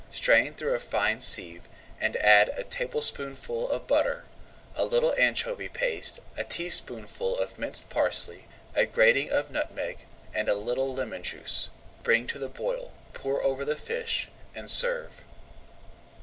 Strain through a fine sieve, add a tablespoonful of butter, a little anchovy paste, a teaspoonful of minced parsley, a grating of nutmeg; and a little lemon juice. Bring to the boil, pour over the fish, and serve.